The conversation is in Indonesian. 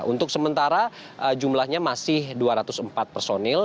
untuk sementara jumlahnya masih dua ratus empat personil